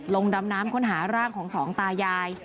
ดำน้ำค้นหาร่างของสองตายาย